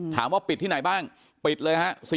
ถามว่าปิดที่ไหนบ้างปิดเลยฮะ